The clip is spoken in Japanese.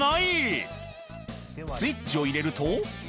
スイッチを入れると。